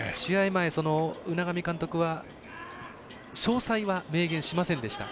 前、海上監督は詳細は明言しませんでした。